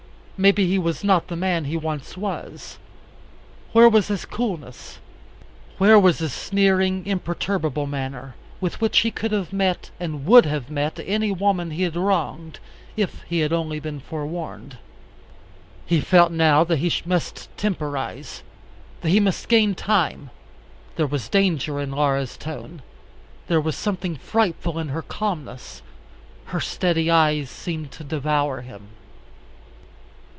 May be he was not the man he once was. Where was his coolness? Where was his sneering, imperturbable manner, with which he could have met, and would have met, any woman he had wronged, if he had only been forewarned. He felt now that he must temporize, that he must gain time. There was danger in Laura's tone. There was something frightful in her calmness. Her steady eyes seemed to devour him.